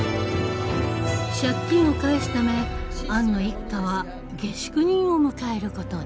借金を返すためアンの一家は下宿人を迎えることに。